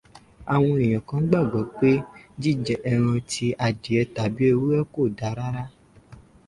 Àwọn èèyàn kán gbàgbọ́ pé jíjẹ ẹran tí adìẹ tàbí ewúrẹ́ kò da rárá.